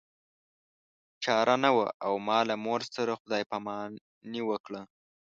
چاره نه وه او ما له مور سره خدای پاماني وکړه